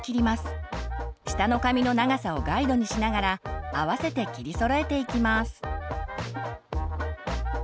下の髪の長さをガイドにしながら合わせて切りそろえていきます。